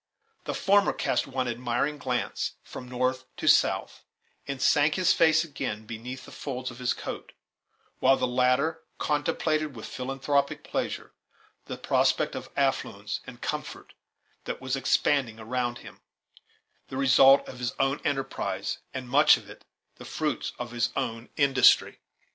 The former cast one admiring glance from north to south, and sank his face again beneath the folds of his coat; while the latter contemplated, with philanthropic pleasure, the prospect of affluence and comfort that was expanding around him; the result of his own enterprise, and much of it the fruits of his own industry.